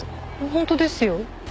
本当ですよ。